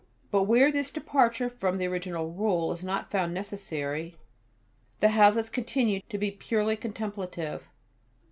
But where this departure from the original Rule is not found necessary, the houses continue to be purely contemplative.